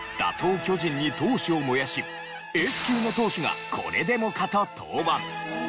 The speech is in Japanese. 巨人に闘志を燃やしエース級の投手がこれでもかと登板。